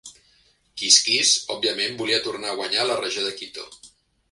Quizquiz, òbviament, volia tornar a guanyar la regió de Quito.